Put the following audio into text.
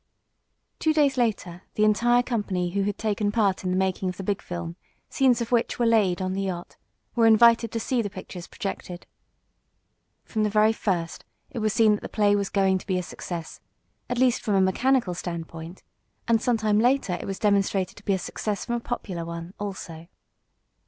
Two days later the entire company who had taken part in the making of the big film, scenes of which were laid on the yacht, were invited to see the pictures projected. From the very first it was seen that the play was going to be a success at least from a mechanical standpoint and some time later it was demonstrated to be a success from a popular one also.